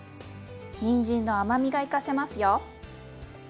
にんじんの甘みが生かせますよ。